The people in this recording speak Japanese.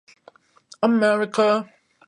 アメリカ